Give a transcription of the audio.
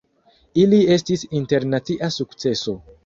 Ili estis internacia sukceso.